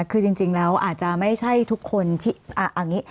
คือจริงแล้วอาจจะไม่ใช่ทุกคนที่